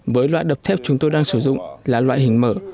với loại đập thép chúng tôi đang sử dụng là loại hình mở